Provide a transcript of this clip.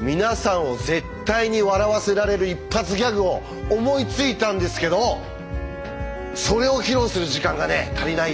皆さんを絶対に笑わせられる一発ギャグを思いついたんですけどそれを披露する時間がね足りない。